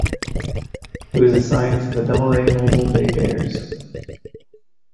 He was assigned to the Double-A Mobile BayBears.